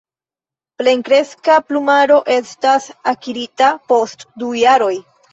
Plenkreska plumaro estas akirita post du jaroj.